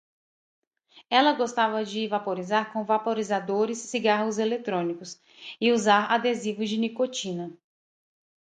Ela gostava de vaporizar com vaporizadores, cigarros eletrônicos e usar adesivos de nicotina